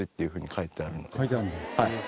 書いてあるんだ。